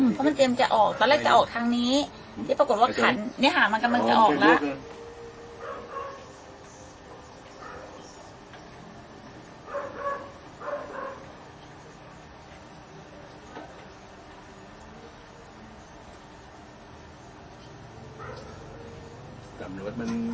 ตอนแรกจะออกทางนี้ที่ปรากฏว่าขันนี่หากมันกำลังจะออกแล้ว